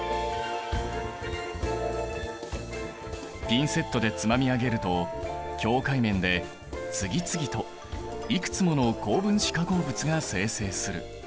ピンセットでつまみ上げると境界面で次々といくつもの高分子化合物が生成する。